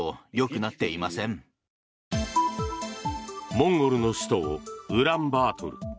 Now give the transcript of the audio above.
モンゴルの首都ウランバートル。